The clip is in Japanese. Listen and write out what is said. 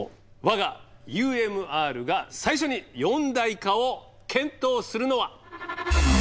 我がＵＭＲが最初に四大化を検討するのは。